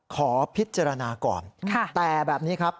ขอพิจารณาก่อนแต่แบบนี้ครับ